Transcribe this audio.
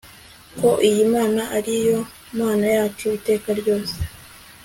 ko iyi mana ari yo mana yacu iteka ryose